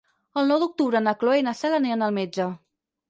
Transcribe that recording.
El nou d'octubre na Cloè i na Cel aniran al metge.